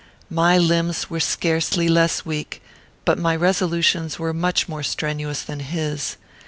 My limbs were scarcely less weak, but my resolutions were much more strenuous than his.